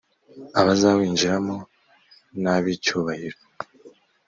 abazawinjiramo n ab icyubahiro